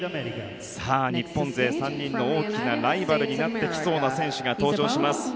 日本勢３人の大きなライバルになってきそうな選手が登場します。